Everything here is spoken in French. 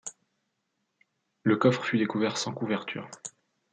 Le coffre fut découvert sans couverture.